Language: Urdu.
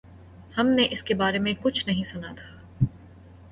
ہم نے اس کے بارے میں کچھ نہیں سنا تھا۔